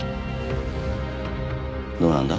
どうなんだ？